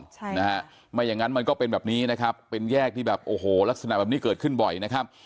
ใช่นะฮะไม่อย่างนั้นมันก็เป็นแบบนี้นะครับเป็นแยกที่แบบโอ้โหลักษณะแบบนี้เกิดขึ้นบ่อยนะครับ